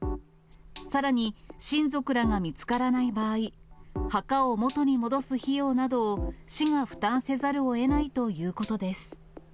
さらに親族らが見つからない場合、墓を元に戻す費用などを市が負担せざるをえないということです。